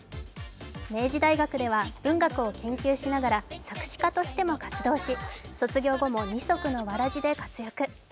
明治大学では文学を研究しながら作詞家としても活動し、卒業後も二足のわらじで活躍。